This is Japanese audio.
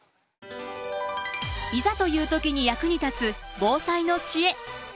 いざという時に役に立つ防災の知恵。